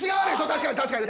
確かに確かに。